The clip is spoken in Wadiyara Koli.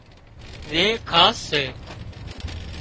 زي خاص سي